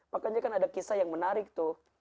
makanya kan ada kisah yang menarik tuh